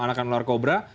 alakan ular kobra